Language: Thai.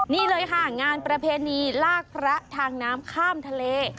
นี่เลยค่ะงานประเพณีลากพระทางน้ำข้ามทะเล